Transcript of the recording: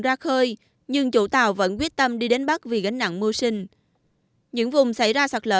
ra khơi nhưng chủ tàu vẫn quyết tâm đi đến bắt vì gánh nặng mưa sinh những vùng xảy ra sạt lờ